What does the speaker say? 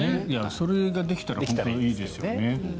それができたら本当にいいですよね。